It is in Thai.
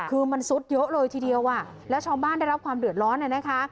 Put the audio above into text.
คือมันซุดเยอะเลยทีเดียวอ่ะแล้วชาวบ้านได้รับความเดือดร้อนน่ะนะคะ